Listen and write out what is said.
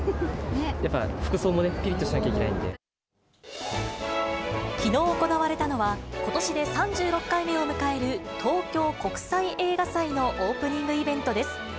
やっぱ服装もね、きのう行われたのは、ことしで３６回目を迎える東京国際映画祭のオープニングイベントです。